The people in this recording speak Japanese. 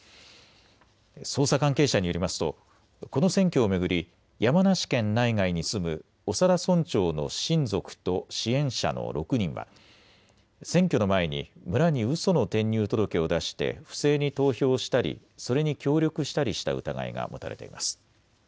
捜査関係者によりますとこの選挙を巡り山梨県内外に住む長田村長の親族と支援者の６人は選挙の前に村に、うその転入届を出して不正に投票したりそれに協力したりした疑いが持たれています。